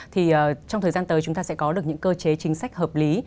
thì trong thời gian tới chúng ta sẽ có được những cơ chế chính sách hợp lý